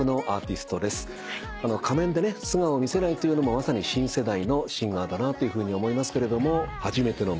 仮面で素顔を見せないというのもまさに新世代のシンガーだなというふうに思いますけれども初めての『ＭＵＳＩＣＦＡＩＲ』